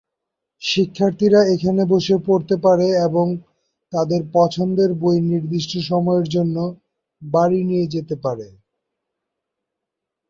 শিক্ষার্থীরা এখানে বসে পড়তে পারে এবং তাদের পছন্দের বই নির্দিষ্ট সময়ের জন্য বাড়ি নিয়ে যেতে পারে।